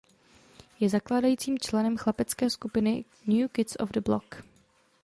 Je zakládajícím členem chlapecké skupiny New Kids on the Block.